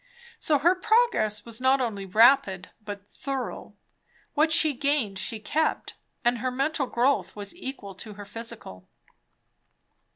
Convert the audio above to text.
So her progress was not only rapid but thorough; what she gained she kept; and her mental growth was equal to her physical.